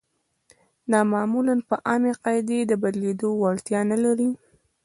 دا معمولاً په عامې قاعدې د بدلېدو وړتیا نلري.